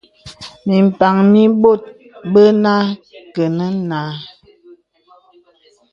Mì mpàŋ mì bɔ̀t bə akənâ.